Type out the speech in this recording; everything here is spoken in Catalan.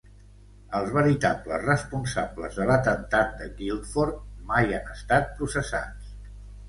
Els veritables responsables de l'atemptat de Guildford mai han estat processats.